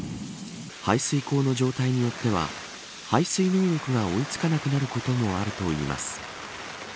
排水溝の状態によっては排水能力が追い付かなくなることもあるといいます。